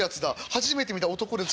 初めて見た男で。